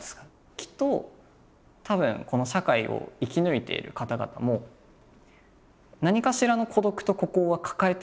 きっとたぶんこの社会を生き抜いている方々も何かしらの孤独と孤高は抱えてるはずだなって思うんですよ。